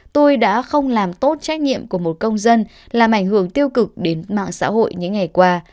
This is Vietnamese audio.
tôi đã không làm tốt trách nhiệm của một công dân làm ảnh hưởng tiêu cực đến mạng xã hội những ngày qua